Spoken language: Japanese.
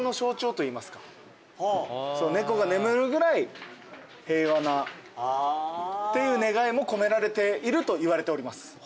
猫が眠るぐらい平和なっていう願いも込められているといわれております。